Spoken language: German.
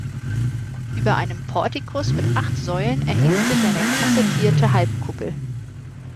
Über einem Portikus mit acht Säulen erhebt sich eine kassettierte Halbkuppel.